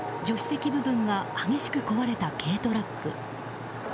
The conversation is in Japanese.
助手席部分が激しく壊れた軽トラック。